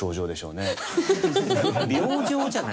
病状じゃない。